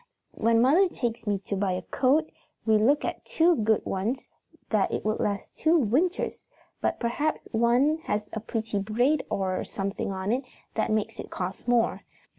When mother takes me to buy a coat, we look at two good ones that will last two winters, but perhaps one has pretty braid or something on it, that makes it cost more.